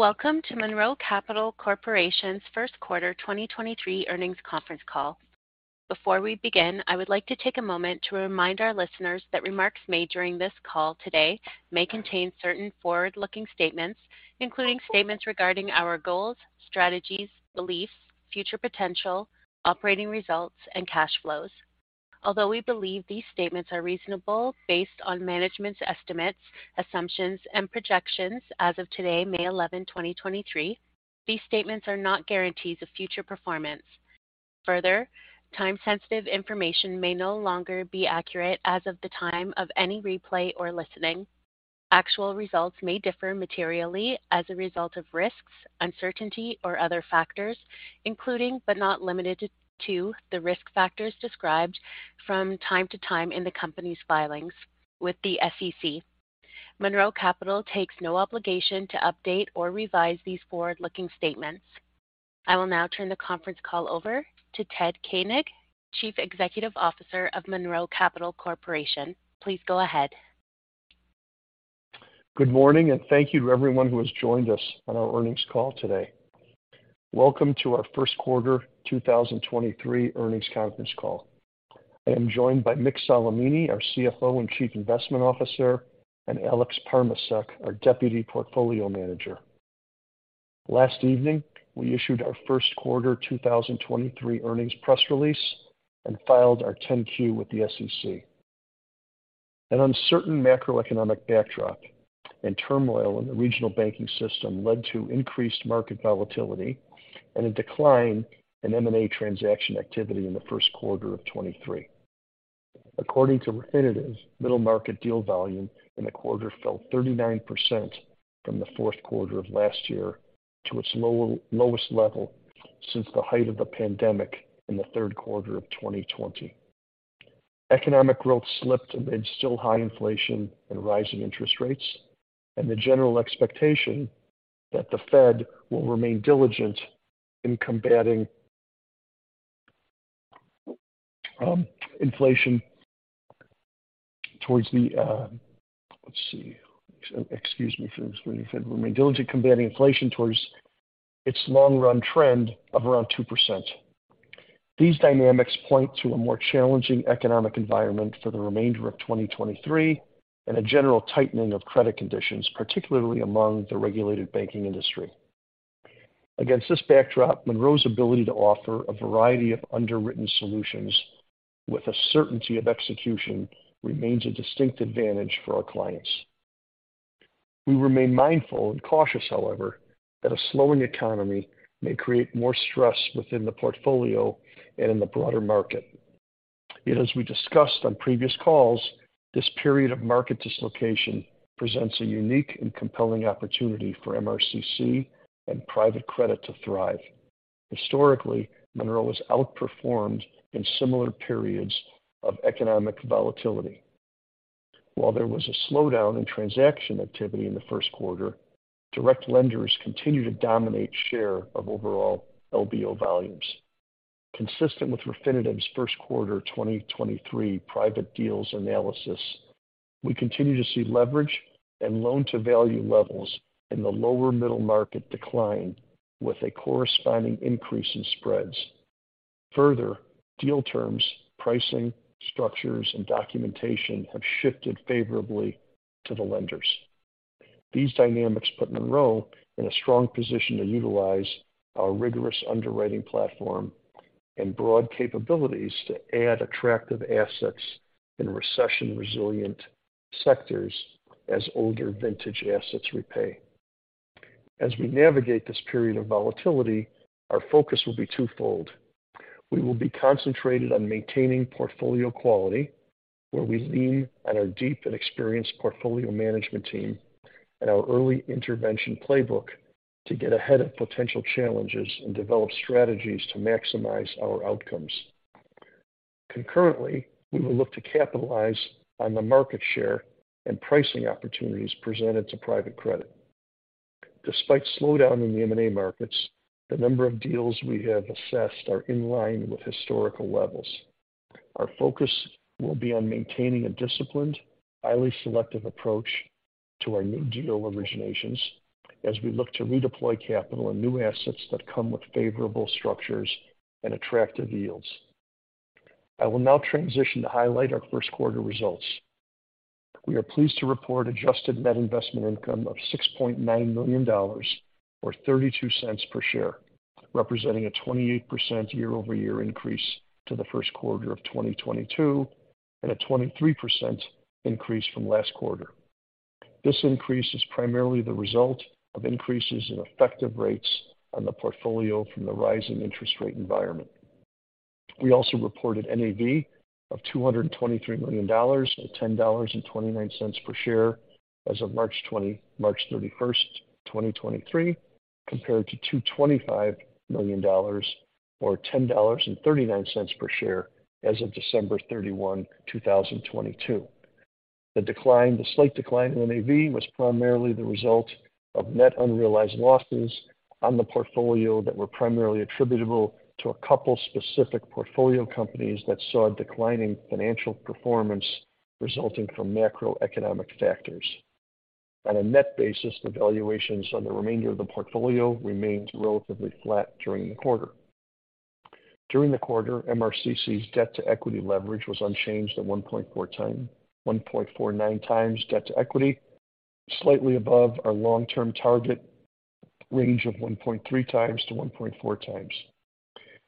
Welcome to Monroe Capital Corporation's first quarter 2023 earnings conference call. Before we begin, I would like to take a moment to remind our listeners that remarks made during this call today may contain certain forward-looking statements, including statements regarding our goals, strategies, beliefs, future potential, operating results, and cash flows. Although we believe these statements are reasonable based on management's estimates, assumptions, and projections as of today, May 11, 2023, these statements are not guarantees of future performance. Time-sensitive information may no longer be accurate as of the time of any replay or listening. Actual results may differ materially as a result of risks, uncertainty, or other factors, including but not limited to, the risk factors described from time to time in the company's filings with the SEC. Monroe Capital takes no obligation to update or revise these forward-looking statements. I will now turn the conference call over to Ted Koenig, Chief Executive Officer of Monroe Capital Corporation. Please go ahead. Good morning, thank you to everyone who has joined us on our earnings call today. Welcome to our first quarter 2023 earnings conference call. I am joined by Mick Solimene, our CFO and Chief Investment Officer, and Alex Parmacek, our Deputy Portfolio Manager. Last evening, we issued our first quarter 2023 earnings press release and filed our 10-Q with the SEC. An uncertain macroeconomic backdrop and turmoil in the regional banking system led to increased market volatility and a decline in M&A transaction activity in the first quarter of 23. According to Refinitiv, middle market deal volume in the quarter fell 39% from the fourth quarter of last year to its lowest level since the height of the pandemic in the third quarter of 2020. Economic growth slipped amid still high inflation and rising interest rates, and the general expectation that the Fed remain diligent combating inflation towards its long-run trend of around 2%. These dynamics point to a more challenging economic environment for the remainder of 2023 and a general tightening of credit conditions, particularly among the regulated banking industry. Against this backdrop, Monroe's ability to offer a variety of underwritten solutions with a certainty of execution remains a distinct advantage for our clients. We remain mindful and cautious, however, that a slowing economy may create more stress within the portfolio and in the broader market. As we discussed on previous calls, this period of market dislocation presents a unique and compelling opportunity for MRCC and private credit to thrive. Historically, Monroe has outperformed in similar periods of economic volatility. While there was a slowdown in transaction activity in the first quarter, direct lenders continue to dominate share of overall LBO volumes. Consistent with Refinitiv's first quarter 2023 private deals analysis, we continue to see leverage and loan-to-value levels in the lower middle market decline with a corresponding increase in spreads. Further, deal terms, pricing structures, and documentation have shifted favorably to the lenders. These dynamics put Monroe in a strong position to utilize our rigorous underwriting platform and broad capabilities to add attractive assets in recession-resilient sectors as older vintage assets repay. As we navigate this period of volatility, our focus will be twofold. We will be concentrated on maintaining portfolio quality, where we lean on our deep and experienced portfolio management team and our early intervention playbook to get ahead of potential challenges and develop strategies to maximize our outcomes. Concurrently, we will look to capitalize on the market share and pricing opportunities presented to private credit. Despite slowdown in the M&A markets, the number of deals we have assessed are in line with historical levels. Our focus will be on maintaining a disciplined, highly selective approach to our new deal originations as we look to redeploy capital and new assets that come with favorable structures and attractive yields. I will now transition to highlight our first quarter results. We are pleased to report adjusted net investment income of $6.9 million, or $0.32 per share, representing a 28% year-over-year increase to the first quarter of 2022, and a 23% increase from last quarter. This increase is primarily the result of increases in effective rates on the portfolio from the rise in interest rate environment. We also reported NAV of $223 million at $10.29 per share as of March 31, 2023, compared to $225 million or $10.39 per share as of December 31, 2022. The slight decline in NAV was primarily the result of net unrealized losses on the portfolio that were primarily attributable to a couple specific portfolio companies that saw a decline in financial performance resulting from macroeconomic factors. On a net basis, the valuations on the remainder of the portfolio remained relatively flat during the quarter. During the quarter, MRCC's debt-to-equity leverage was unchanged at 1.49 times debt-to-equity, slightly above our long-term target range of 1.3 times-1.4 times.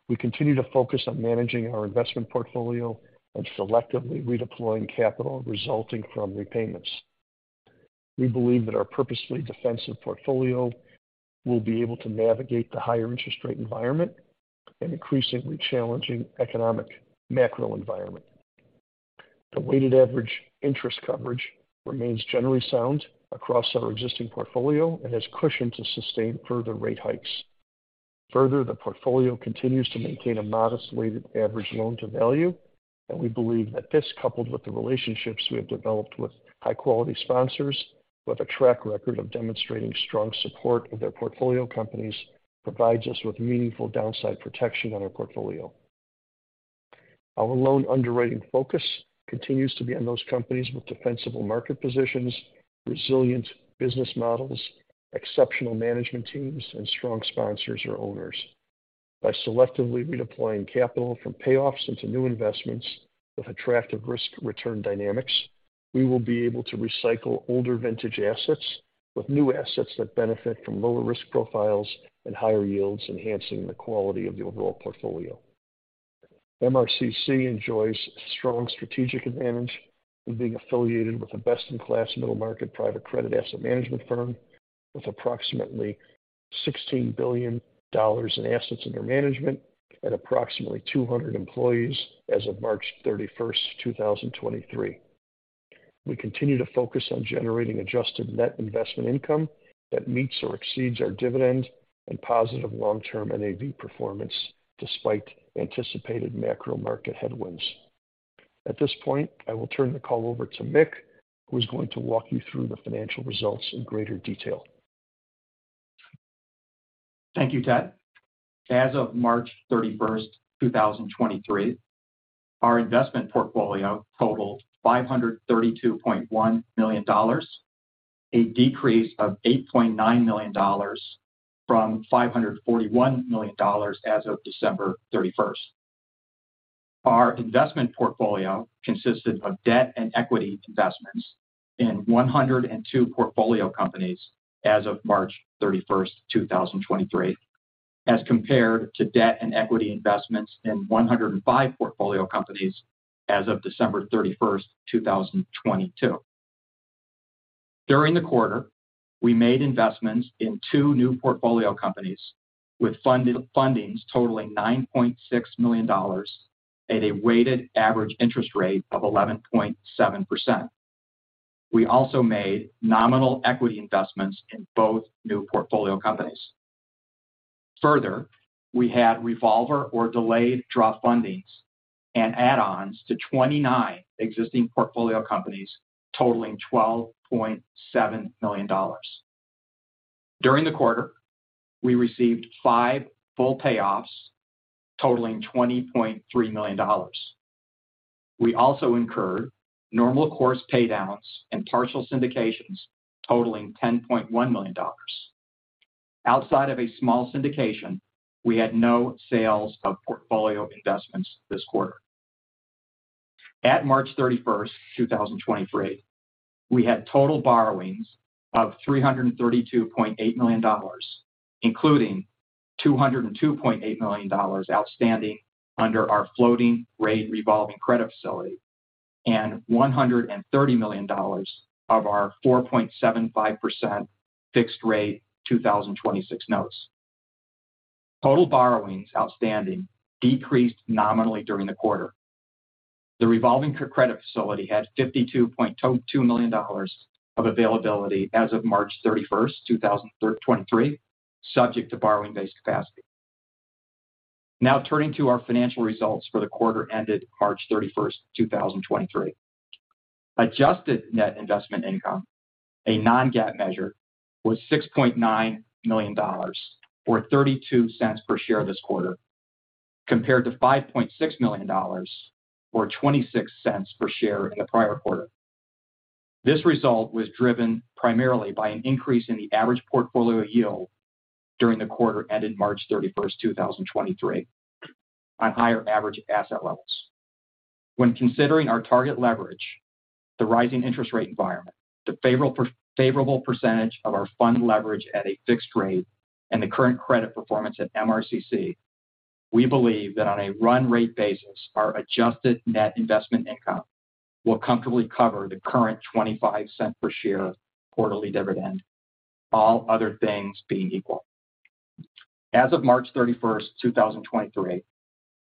We continue to focus on managing our investment portfolio and selectively redeploying capital resulting from repayments. We believe that our purposefully defensive portfolio will be able to navigate the higher interest rate environment and increasingly challenging economic macro environment. The weighted average interest coverage remains generally sound across our existing portfolio and has cushion to sustain further rate hikes. Further, the portfolio continues to maintain a modest weighted average loan-to-value, and we believe that this, coupled with the relationships we have developed with high-quality sponsors who have a track record of demonstrating strong support of their portfolio companies, provides us with meaningful downside protection on our portfolio. Our loan underwriting focus continues to be on those companies with defensible market positions, resilient business models, exceptional management teams, and strong sponsors or owners. By selectively redeploying capital from payoffs into new investments with attractive risk-return dynamics, we will be able to recycle older vintage assets with new assets that benefit from lower risk profiles and higher yields, enhancing the quality of the overall portfolio. MRCC enjoys strong strategic advantage of being affiliated with a best-in-class middle market private credit asset management firm with approximately $16 billion in assets under management and approximately 200 employees as of March 31, 2023. We continue to focus on generating adjusted Net Investment Income that meets or exceeds our dividend and positive long-term NAV performance despite anticipated macro market headwinds. At this point, I will turn the call over to Mick, who is going to walk you through the financial results in greater detail. Thank you, Ted. As of March 31st, 2023, our investment portfolio totaled $532.1 million, a decrease of $8.9 million from $541 million as of December 31st. Our investment portfolio consisted of debt and equity investments in 102 portfolio companies as of March 31st, 2023, as compared to debt and equity investments in 105 portfolio companies as of December 31st, 2022. During the quarter, we made investments in two new portfolio companies, with funded fundings totaling $9.6 million at a weighted average interest rate of 11.7%. We also made nominal equity investments in both new portfolio companies. Further, we had revolver or delayed draw fundings and add-ons to 29 existing portfolio companies totaling $12.7 million. During the quarter, we received five full payoffs totaling $20.3 million. We also incurred normal course paydowns and partial syndications totaling $10.1 million. Outside of a small syndication, we had no sales of portfolio investments this quarter. At March 31, 2023, we had total borrowings of $332.8 million, including $202.8 million outstanding under our floating rate revolving credit facility and $130 million of our 4.75% fixed rate 2026 Notes. Total borrowings outstanding decreased nominally during the quarter. The revolving credit facility had $52.2 million of availability as of March 31st, 2023, subject to borrowing-base capacity. Turning to our financial results for the quarter ended March 31st, 2023. Adjusted net investment income, a non-GAAP measure, was $6.9 million or $0.32 per share this quarter, compared to $5.6 million or $0.26 per share in the prior quarter. This result was driven primarily by an increase in the average portfolio yield during the quarter ended March 31st, 2023 on higher average asset levels. When considering our target leverage, the rising interest rate environment, the favorable percentage of our fund leverage at a fixed rate, and the current credit performance at MRCC, we believe that on a run rate basis, our adjusted net investment income will comfortably cover the current $0.25 per share quarterly dividend, all other things being equal. As of March 31, 2023,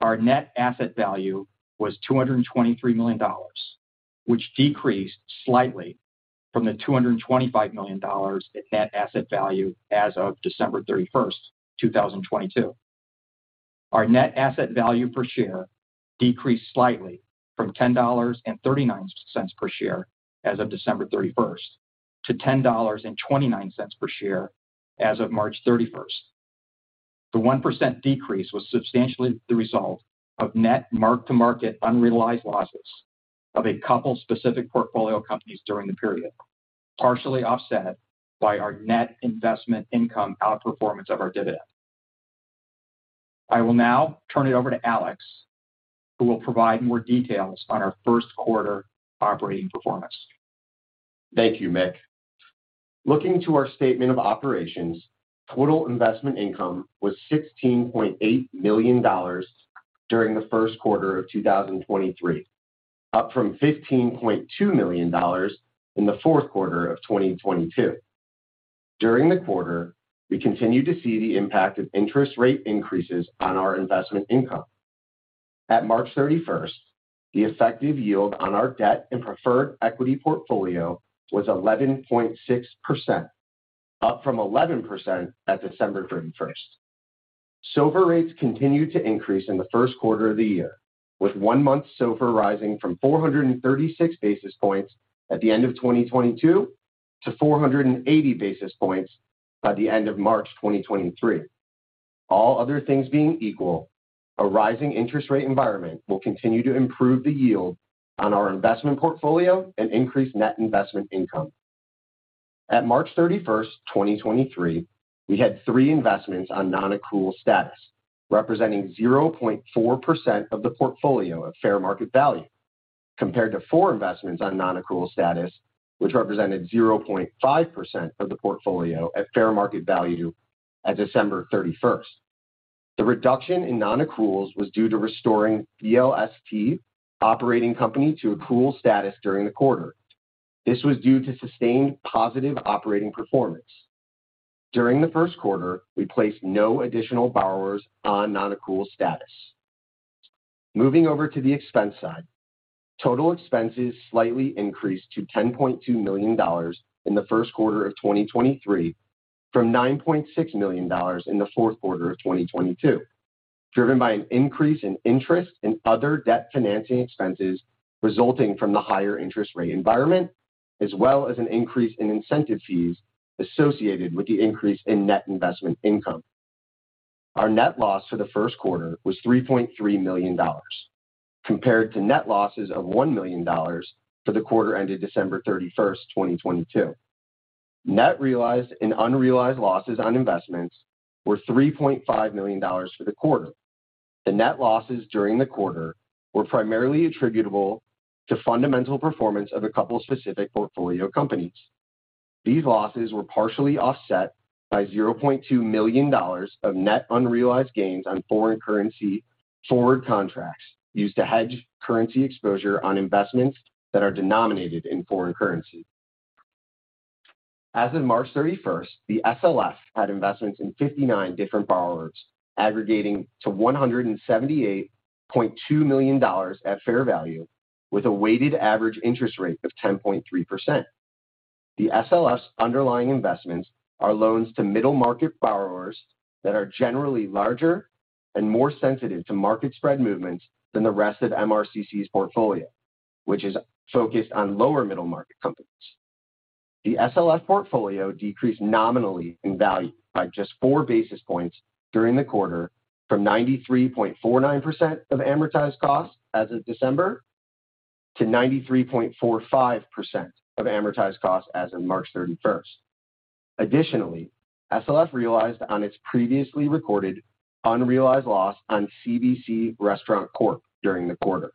our net asset value was $223 million, which decreased slightly from the $225 million in net asset value as of December 31, 2022. Our net asset value per share decreased slightly from $10.39 per share as of December 31st to $10.29 per share as of March 31st. The 1% decrease was substantially the result of net mark-to-market unrealized losses of a couple specific portfolio companies during the period, partially offset by our net investment income outperformance of our dividend. I will now turn it over to Alex, who will provide more details on our first quarter operating performance. Thank you, Mick. Looking to our statement of operations, total investment income was $16.8 million during the 1st quarter of 2023, up from $15.2 million in the 4th quarter of 2022. During the quarter, we continued to see the impact of interest rate increases on our investment income. At March 31st, the effective yield on our debt and preferred equity portfolio was 11.6%, up from 11% at December 31st. SOFR rates continued to increase in the 1st quarter of the year, with one-month SOFR rising from 436 basis points at the end of 2022 to 480 basis points by the end of March 2023. All other things being equal, a rising interest rate environment will continue to improve the yield on our investment portfolio and increase net investment income. At March 31, 2023, we had three investments on non-accrual status, representing 0.4% of the portfolio of fair market value, compared to four investments on non-accrual status, which represented 0.5% of the portfolio at fair market value at December 31. The reduction in non-accruals was due to restoring BLST Operating Company to accrual status during the quarter. This was due to sustained positive operating performance. During the first quarter, we placed no additional borrowers on non-accrual status. Moving over to the expense side, total expenses slightly increased to $10.2 million in the first quarter of 2023 from $9.6 million in the fourth quarter of 2022, driven by an increase in interest and other debt financing expenses resulting from the higher interest rate environment, as well as an increase in incentive fees associated with the increase in net investment income. Our net loss for the first quarter was $3.3 million, compared to net losses of $1 million for the quarter ended December 31, 2022. Net realized and unrealized losses on investments were $3.5 million for the quarter. The net losses during the quarter were primarily attributable to fundamental performance of a couple of specific portfolio companies. These losses were partially offset by $0.2 million of net unrealized gains on foreign currency forward contracts used to hedge currency exposure on investments that are denominated in foreign currency. As of March 31st, the SLF had investments in 59 different borrowers aggregating to $178.2 million at fair value with a weighted average interest rate of 10.3%. The SLF's underlying investments are loans to middle-market borrowers that are generally larger and more sensitive to market spread movements than the rest of MRCC's portfolio which is focused on lower middle-market companies. The SLF portfolio decreased nominally in value by just 4 basis points during the quarter from 93.49% of amortized cost as of December to 93.45% of amortized cost as of March 31st. SLF realized on its previously recorded unrealized loss on CBC Restaurant Corp during the quarter.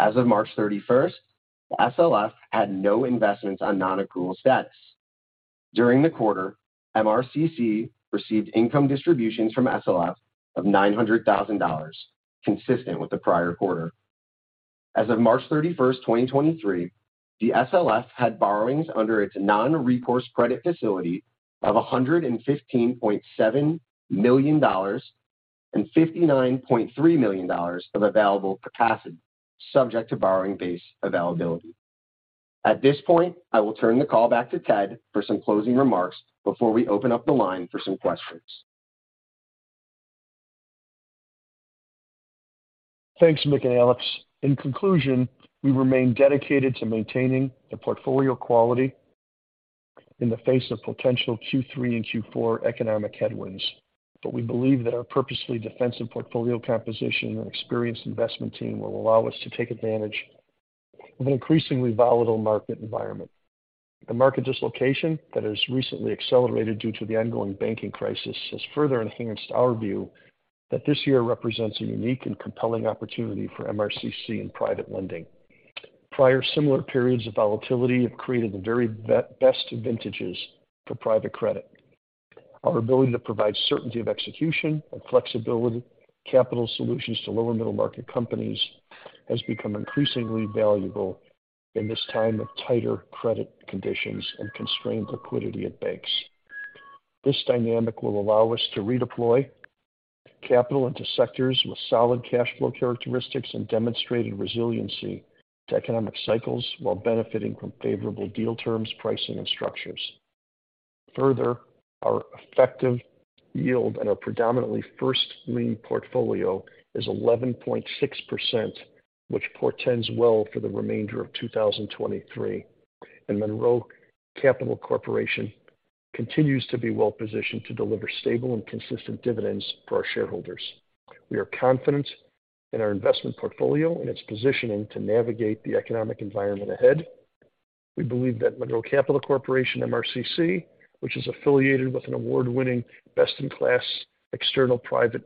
As of March 31st, the SLF had no investments on non-accrual status. During the quarter, MRCC received income distributions from SLF of $900,000, consistent with the prior quarter. As of March 31st, 2023, the SLF had borrowings under its non-recourse credit facility of $115.7 million and $59.3 million of available capacity subject to borrowing base availability. At this point, I will turn the call back to Ted for some closing remarks before we open up the line for some questions. Thanks, Mick and Alex. In conclusion, we remain dedicated to maintaining the portfolio quality in the face of potential Q3 and Q4 economic headwinds. We believe that our purposely defensive portfolio composition and experienced investment team will allow us to take advantage of an increasingly volatile market environment. The market dislocation that has recently accelerated due to the ongoing banking crisis has further enhanced our view that this year represents a unique and compelling opportunity for MRCC in private lending. Prior similar periods of volatility have created the very best vintages for private credit. Our ability to provide certainty of execution and flexibility, capital solutions to lower middle-market companies has become increasingly valuable in this time of tighter credit conditions and constrained liquidity at banks. This dynamic will allow us to redeploy capital into sectors with solid cash flow characteristics and demonstrated resiliency to economic cycles while benefiting from favorable deal terms, pricing, and structures. Our effective yield on our predominantly first lien portfolio is 11.6%. Portends well for the remainder of 2023. Monroe Capital Corporation continues to be well-positioned to deliver stable and consistent dividends to our shareholders. We are confident in our investment portfolio and its positioning to navigate the economic environment ahead. We believe that Monroe Capital Corporation, MRCC, which is affiliated with an award-winning, best in class external private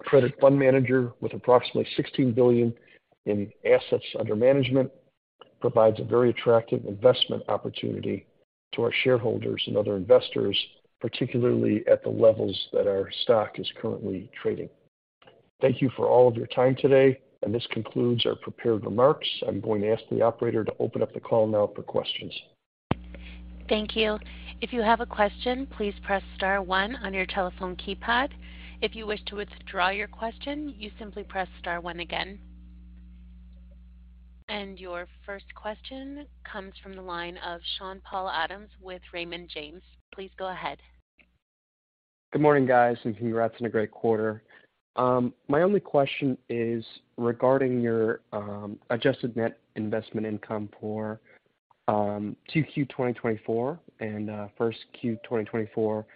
credit fund manager with approximately $16 billion in assets under management, provides a very attractive investment opportunity to our shareholders and other investors, particularly at the levels that our stock is currently trading. Thank you for all of your time today, and this concludes our prepared remarks. I'm going to ask the operator to open up the call now for questions. Thank you. If you have a question, please press star one on your telephone keypad. If you wish to withdraw your question, you simply press star one again. Your first question comes from the line of Sean-Paul Adams with Raymond James. Please go ahead. Good morning, guys. Congrats on a great quarter. My only question is regarding your Adjusted Net Investment Income for 2Q 2024 and 1Q 2024.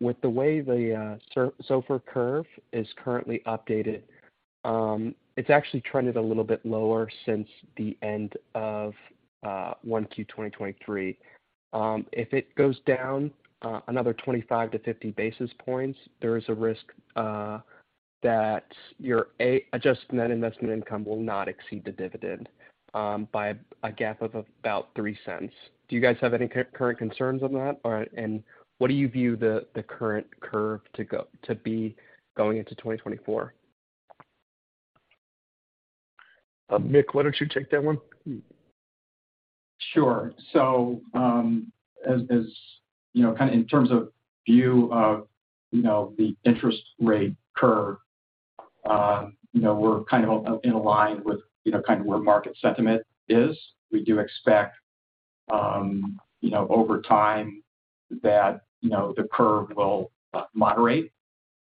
With the way the SOFR curve is currently updated, it's actually trended a little bit lower since the end of 1Q 2023. If it goes down another 25-50 basis points, there is a risk that your Adjusted Net Investment Income will not exceed the dividend by a gap of about $0.03. Do you guys have any current concerns on that? And what do you view the current curve to be going into 2024? Mick, why don't you take that one? Sure. So, as you know, in terms of view of, you know, the interest rate curve, you know, we're in line with, you know, where market sentiment is. We do expect, you know, over time that, you know, the curve will moderate.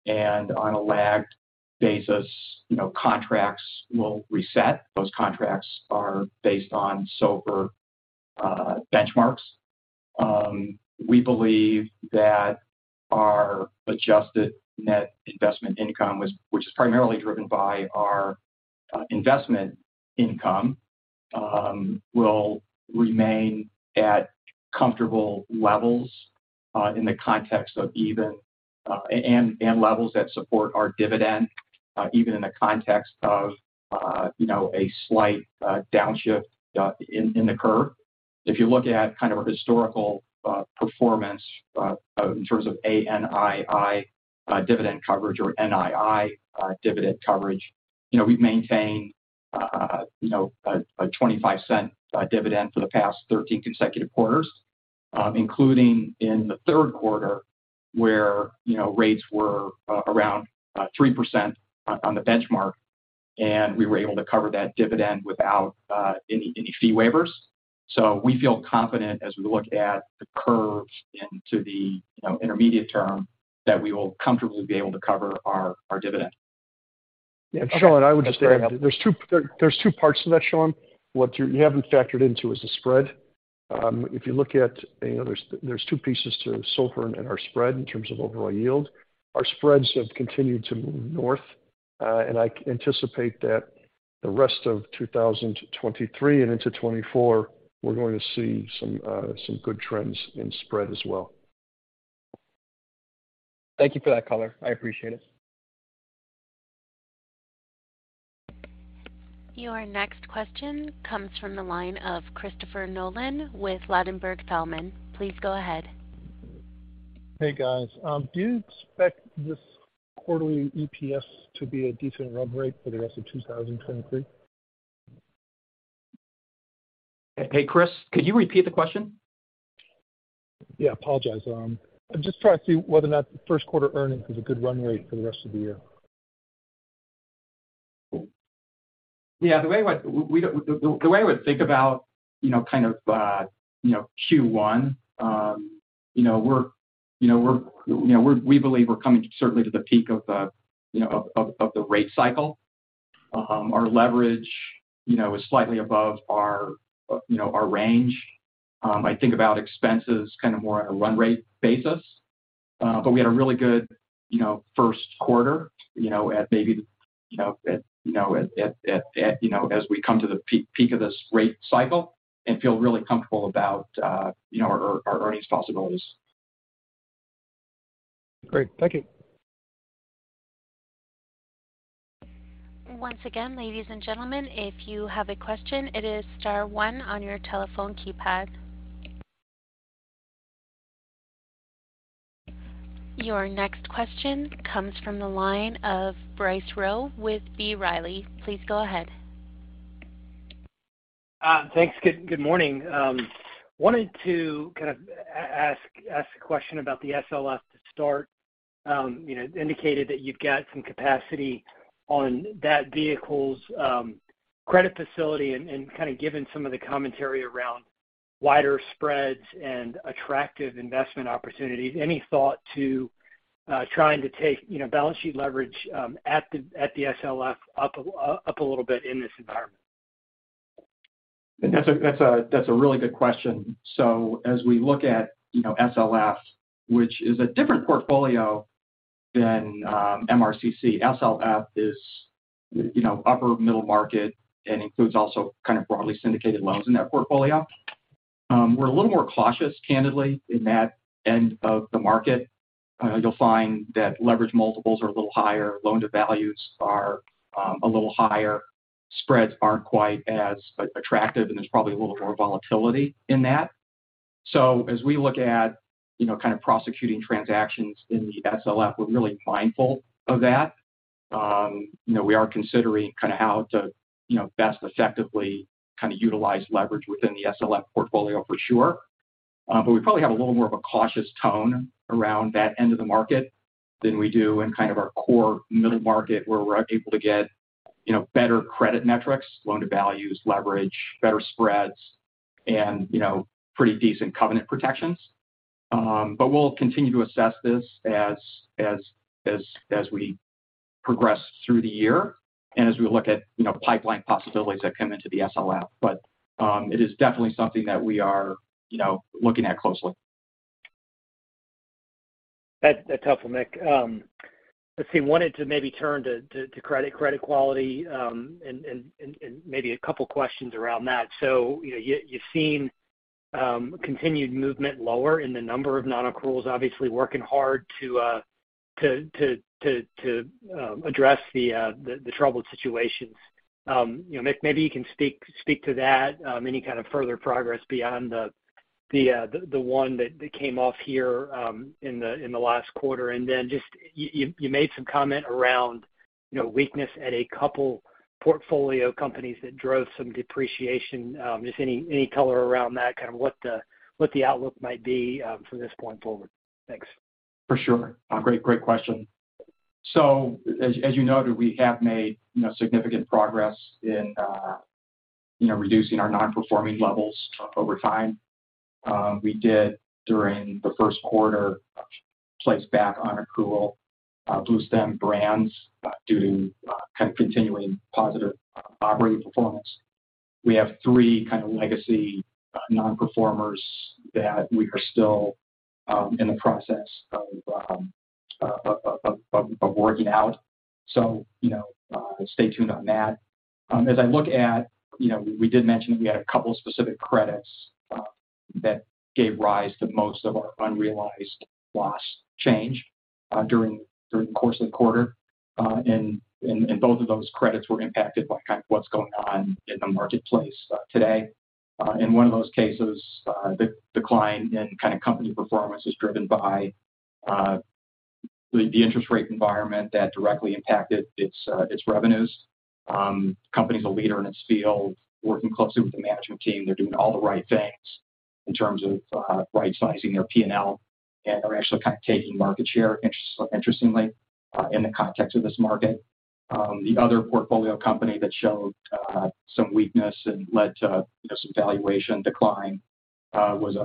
On a lagged basis, you know, contracts will reset. Those contracts are based on SOFR benchmarks. We believe that our adjusted net investment income, which is primarily driven by our investment income, will remain at comfortable levels in the context of even, and levels that support our dividend, even in the context of, you know, a slight downshift in the curve. If you look at kind of a historical performance, in terms of ANII, dividend coverage or NII, dividend coverage, you know, we've maintained, you know, a 25 cent dividend for the past 13 consecutive quarters, including in the third quarter where, you know, rates were around 3% on the benchmark, and we were able to cover that dividend without any fee waivers. We feel confident as we look at the curves into the, you know, intermediate term that we will comfortably be able to cover our dividend. Yeah. Sean, I would just add, there's two parts to that, Sean. What you haven't factored into is the spread. If you look at, you know, there's two pieces to SOFR and our spread in terms of overall yield. Our spreads have continued to move north, and I anticipate that the rest of 2023 and into 2024, we're going to see some good trends in spread as well. Thank you for that color. I appreciate it. Your next question comes from the line of Christopher Nolan with Ladenburg Thalmann. Please go ahead. Hey, guys. Do you expect this quarterly EPS to be a decent run rate for the rest of 2023? Hey, Chris, could you repeat the question? Yeah. Apologize. I'm just trying to see whether or not the first quarter earnings is a good run rate for the rest of the year. Yeah. The way I would think about, you know, kind of, you know, Q1, you know, we believe we're coming certainly to the peak of, you know, the rate cycle. Our leverage, you know, is slightly above our, you know, our range. I think about expenses kind of more on a run rate basis. We had a really good, you know, first quarter, you know, at maybe, you know, as we come to the peak of this rate cycle and feel really comfortable about, you know, our earnings possibilities. Great. Thank you. Once again, ladies and gentlemen, if you have a question, it is star one on your telephone keypad. Your next question comes from the line of Bryce Rowe with B. Riley. Please go ahead. Thanks. Good morning. Wanted to kind of ask a question about the SLF to start. You know, indicated that you've got some capacity on that vehicle's credit facility and kind of given some of the commentary around wider spreads and attractive investment opportunities. Any thought to trying to take, you know, balance sheet leverage at the SLF up a little bit in this environment? That's a really good question. As we look at, you know, SLF, which is a different portfolio than MRCC. SLF is, you know, upper middle market and includes also kind of broadly syndicated loans in that portfolio. We're a little more cautious candidly in that end of the market. You'll find that leverage multiples are a little higher, loan-to-values are, a little higher. Spreads aren't quite as attractive, and there's probably a little more volatility in that. As we look at, you know, kind of prosecuting transactions in the SLF, we're really mindful of that. You know, we are considering kind of how to, you know, best effectively kind of utilize leverage within the SLF portfolio for sure. We probably have a little more of a cautious tone around that end of the market than we do in kind of our core middle market where we're able to get, you know, better credit metrics, loan to values, leverage, better spreads, and, you know, pretty decent covenant protections. We'll continue to assess this as we progress through the year and as we look at, you know, pipeline possibilities that come into the SLF. It is definitely something that we are, you know, looking at closely. That's helpful, Mick. Let's see. Wanted to maybe turn to credit quality, and maybe a couple questions around that. You, you've seen continued movement lower in the number of non-accruals, obviously working hard to address the troubled situations. You know, Mick, maybe you can speak to that. Any kind of further progress beyond the one that came off here in the last quarter? Just you made some comment around, you know, weakness at a couple portfolio companies that drove some depreciation. Just any color around that, what the outlook might be from this point forward? Thanks. For sure. A great question. As you noted, we have made significant progress in reducing our non-performing levels over time. We did during the first quarter place back on accrual Bluestem Brands due to continuing positive operating performance. We have three legacy non-performers that we are still in the process of working out. Stay tuned on that. As I look at, we did mention that we had a couple specific credits that gave rise to most of our unrealized loss change during the course of the quarter. Both of those credits were impacted by what's going on in the marketplace today. In one of those cases, the decline in kind of company performance is driven by the interest rate environment that directly impacted its revenues. Company's a leader in its field, working closely with the management team. They're doing all the right things in terms of right sizing their P&L, and they're actually kind of taking market share, interestingly, in the context of this market. The other portfolio company that showed some weakness and led to some valuation decline, is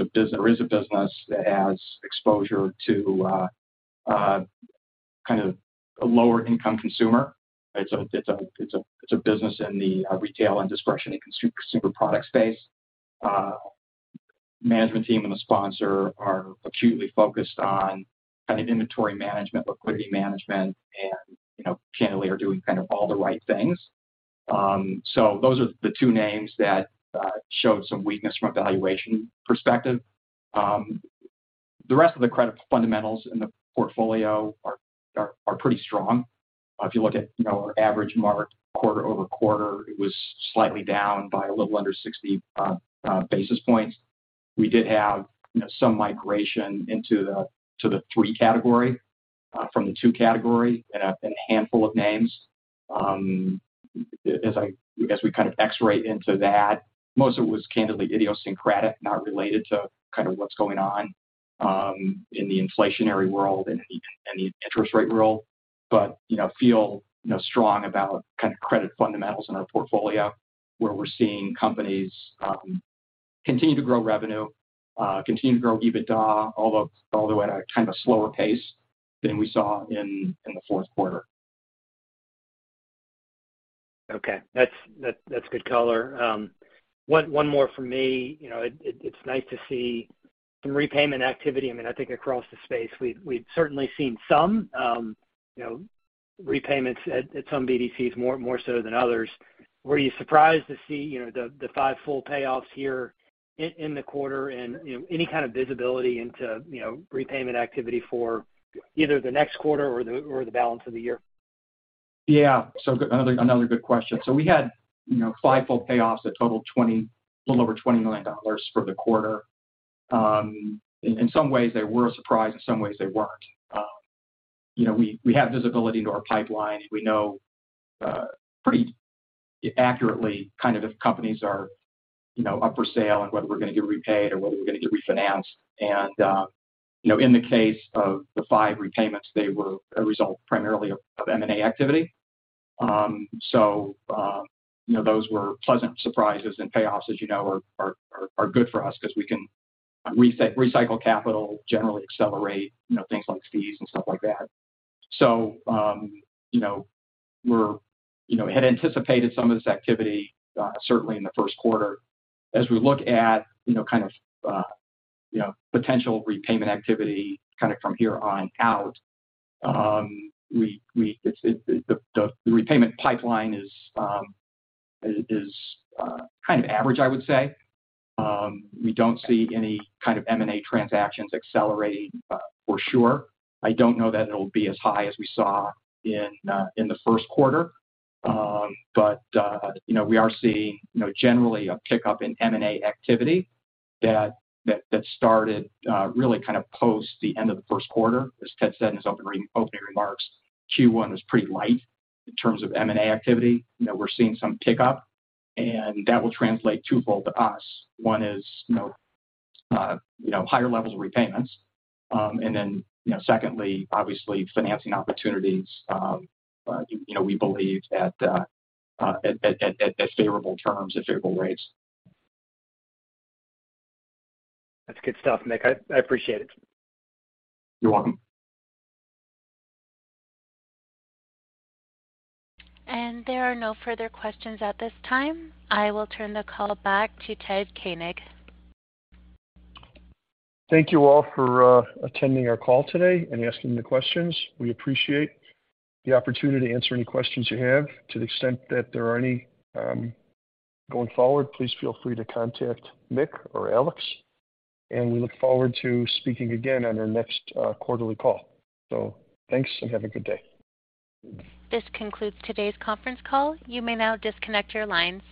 a business that has exposure to kind of a lower income consumer. It's a business in the retail and discretionary consumer product space. Management team and the sponsor are acutely focused on kind of inventory management, liquidity management, and, you know, candidly, are doing kind of all the right things. Those are the two names that showed some weakness from a valuation perspective. The rest of the credit fundamentals in the portfolio are pretty strong. If you look at, you know, our average mark quarter-over-quarter, it was slightly down by a little under 60 basis points. We did have, you know, some migration into the 3 category from the 2 category in a handful of names. As we kind of x-ray into that, most of it was candidly idiosyncratic, not related to kind of what's going on in the inflationary world and the interest rate world. you know, feel, you know, strong about kind of credit fundamentals in our portfolio, where we're seeing companies, continue to grow revenue, continue to grow EBITDA, although at a kind of slower pace than we saw in the fourth quarter. That's good color. One more from me. You know, it's nice to see some repayment activity. I mean, I think across the space, we've certainly seen some, you know, repayments at some BDCs more so than others. Were you surprised to see, you know, the five full payoffs here in the quarter and, you know, any kind of visibility into, you know, repayment activity for either the next quarter or the balance of the year? Another good question. We had, you know, 5 full payoffs that totaled a little over $20 million for the quarter. In some ways, they were a surprise, in some ways, they weren't. You know, we have visibility into our pipeline. We know pretty accurately kind of if companies are, you know, up for sale and whether we're going to get repaid or whether we're going to get refinanced. You know, in the case of the 5 repayments, they were a result primarily of M&A activity. You know, those were pleasant surprises, and payoffs, as you know, are good for us 'cause we can recycle capital, generally accelerate, you know, things like fees and stuff like that. You know, we're, you know, had anticipated some of this activity, certainly in the first quarter. As we look at, you know, kind of, you know, potential repayment activity kinda from here on out, the repayment pipeline is kind of average, I would say. We don't see any kind of M&A transactions accelerating, for sure. I don't know that it'll be as high as we saw in the first quarter. You know, we are seeing, you know, generally a pickup in M&A activity that started really kind of post the end of the first quarter. As Ted said in his opening remarks, Q1 was pretty light in terms of M&A activity. You know, we're seeing some pickup, and that will translate twofold to us. One is, you know, you know, higher levels of repayments. You know, secondly, obviously, financing opportunities, you know, we believe at favorable terms, at favorable rates. That's good stuff, Mick. I appreciate it. You're welcome. There are no further questions at this time. I will turn the call back to Ted Koenig. Thank you all for attending our call today and asking the questions. We appreciate the opportunity to answer any questions you have. To the extent that there are any, going forward, please feel free to contact Mick or Alex, and we look forward to speaking again on our next quarterly call. Thanks, and have a good day. This concludes today's conference call. You may now disconnect your lines.